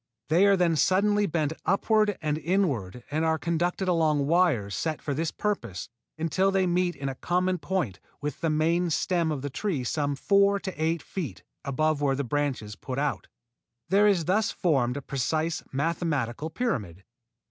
They are then suddenly bent upward and inward and are conducted along wires set for this purpose until they meet in a common point with the main stem of the tree some four to eight feet above where the branches put out. There is thus formed a precise mathematical pyramid.